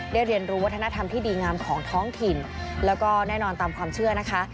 เรียนรู้วัฒนธรรมที่ดีงามของท้องถิ่นแล้วก็แน่นอนตามความเชื่อนะคะ